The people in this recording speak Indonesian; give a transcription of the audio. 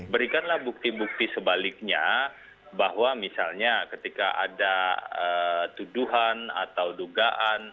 berikanlah bukti bukti sebaliknya bahwa misalnya ketika ada tuduhan atau dugaan